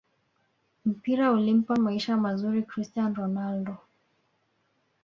mpira ulimpa maisha mazuri cristian ronaldo